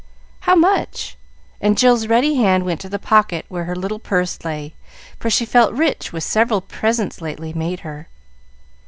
"How much?" and Jill's ready hand went to the pocket where her little purse lay, for she felt rich with several presents lately made her.